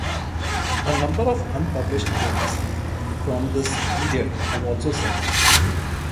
A number of unpublished poems from this period have also survived.